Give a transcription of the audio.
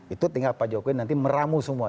itu tinggal pak jokowi nanti meramu semua